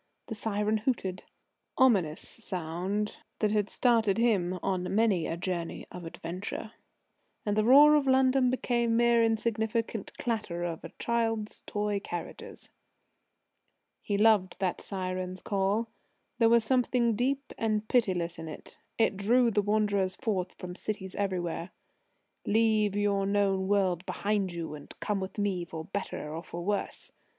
The syren hooted ominous sound that had started him on many a journey of adventure and the roar of London became mere insignificant clatter of a child's toy carriages. He loved that syren's call; there was something deep and pitiless in it. It drew the wanderers forth from cities everywhere: "Leave your known world behind you, and come with me for better or for worse!